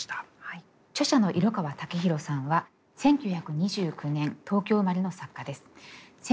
著者の色川武大さんは１９２９年東京生まれの作家です。